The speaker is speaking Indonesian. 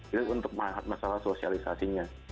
ini untuk mengangkat masalah sosialisasinya